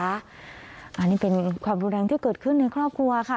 อันนี้เป็นความรุนแรงที่เกิดขึ้นในครอบครัวค่ะ